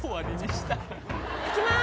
いきまーす。